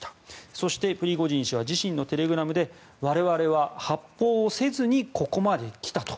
そして、プリゴジン氏は自身のテレグラムで我々は発砲をせずにここまで来たと。